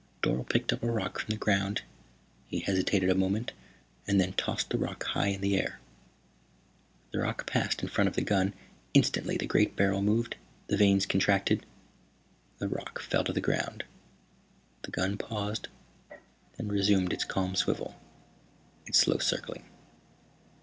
Dorle picked up a rock from the ground. He hesitated a moment and then tossed the rock high in the air. The rock passed in front of the gun. Instantly the great barrel moved, the vanes contracted. The rock fell to the ground. The gun paused, then resumed its calm swivel, its slow circling.